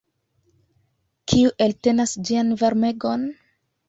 Kiu eltenas ĝian varmegon?